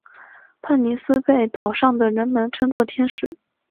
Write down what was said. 帕妮丝被岛上的人们称作天使。